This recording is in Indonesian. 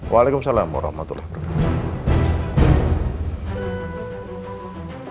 waalaikumsalam warahmatullah wabarakatuh